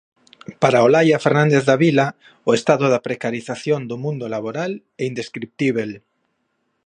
Para Olaia Fernández Davila o estado de precarización do mundo laboral é indescritíbel.